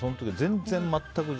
全然全く？